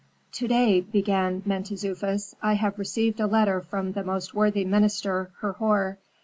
"To day," began Mentezufis, "I have received a letter from the most worthy minister Herhor.